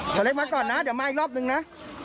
เขาเลยมาก่อนนะเดี๋ยวมาอีกรอบนึงนะ